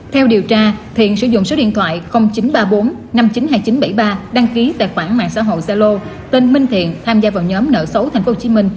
theo điều tra thiện sử dụng số điện thoại chín trăm ba mươi bốn năm nghìn chín trăm hai nghìn chín trăm bảy mươi ba đăng ký tài khoản mạng xã hội zalo tên minh thiện tham gia vào nhóm nợ xấu tp hcm